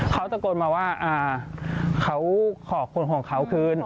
เขาตะโกนมาว่าเขาขอคนของเขาคืน